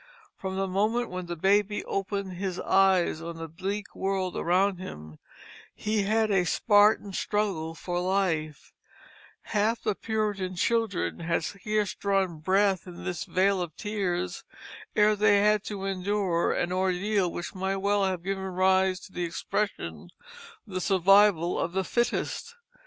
From the moment when the baby opened his eyes on the bleak world around him, he had a Spartan struggle for life; half the Puritan children had scarce drawn breath in this vale of tears ere they had to endure an ordeal which might well have given rise to the expression "the survival of the fittest."